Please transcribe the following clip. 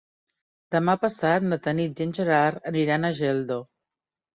Demà passat na Tanit i en Gerard aniran a Geldo.